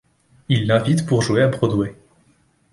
Il l'invite pour jouer à Broadway.